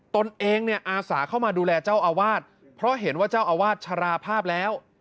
ตนเองเนี่ยอาสาเข้ามาดูแลเจ้าอาวาสเพราะเห็นว่าเจ้าอาวาสชราภาพแล้ว